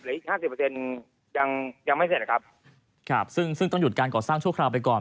อีกห้าสิบเปอร์เซ็นต์ยังยังไม่เสร็จนะครับครับซึ่งซึ่งต้องหยุดการก่อสร้างชั่วคราวไปก่อน